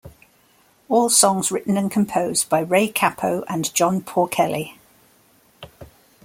All songs written and composed by Ray Cappo and John Porcelly.